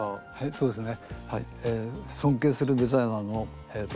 そうですね